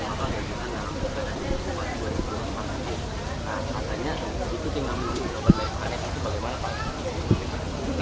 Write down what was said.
nah rasanya itu tinggal menunggu